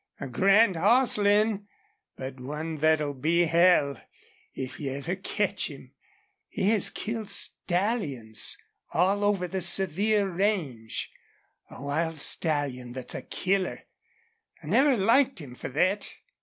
A grand hoss, Lin, but one thet'll be hell, if you ever ketch him. He has killed stallions all over the Sevier range. A wild stallion thet's a killer! I never liked him for thet.